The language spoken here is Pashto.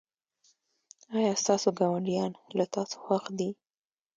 ایا ستاسو ګاونډیان له تاسو خوښ دي؟